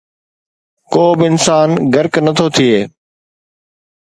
ڪو به انسان غرق نٿو ٿئي